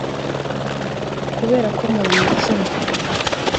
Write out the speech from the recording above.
Kuberako amabuye icumi